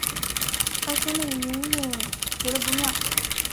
她心里隐隐觉得不妙